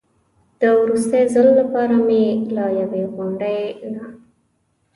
د وروستي ځل لپاره مې له یوې غونډۍ نه.